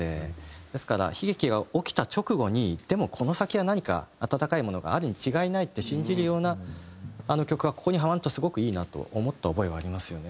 ですから悲劇が起きた直後にでもこの先は何か温かいものがあるに違いないって信じるようなあの曲はここにはまるとすごくいいなと思った覚えはありますよね。